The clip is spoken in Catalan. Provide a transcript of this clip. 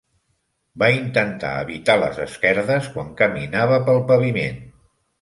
Va intentar evitar les esquerdes quan caminava pel paviment